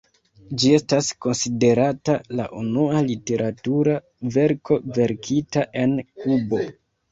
Ĝi estas konsiderata la unua literatura verko verkita en Kubo.